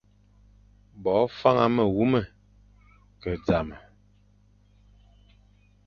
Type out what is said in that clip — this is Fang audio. Bo faña me wume, ke zame,